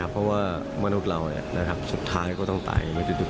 เพราะว่ามนุษย์เราสุดท้ายก็ต้องตาย